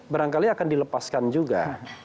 berangkali akan dilepaskan juga